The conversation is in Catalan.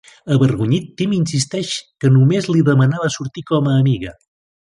Avergonyit, Tim insisteix que només li demanava sortir com a amiga.